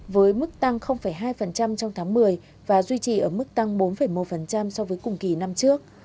với mức tăng hai trong tháng một mươi và duy trì ở mức tăng bốn một so với cùng kỳ năm trước